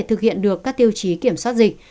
thực hiện được các tiêu chí kiểm soát dịch